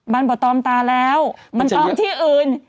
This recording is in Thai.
มันบ่ตอมตาแล้วมันตอมที่อื่น